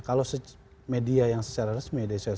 kalau media yang secara resmi